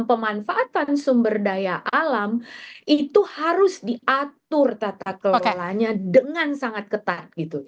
pemanfaatan sumber daya alam itu harus diatur tata kelolanya dengan sangat ketat